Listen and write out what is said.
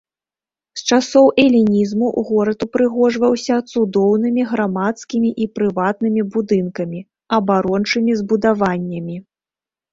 З часоў элінізму горад упрыгожваўся цудоўнымі грамадскімі і прыватнымі будынкамі, абарончымі збудаваннямі.